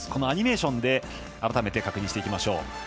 アニメーションで改めて確認していきましょう。